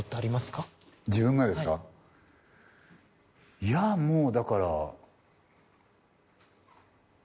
いやもうだから。